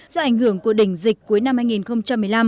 do ảnh hưởng của đỉnh dịch cuối năm hai nghìn một mươi năm